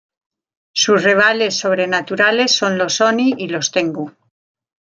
Sus rivales sobrenaturales son los oni y los tengu.